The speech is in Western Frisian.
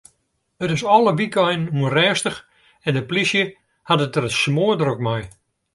It is alle wykeinen ûnrêstich en de polysje hat it der smoardrok mei.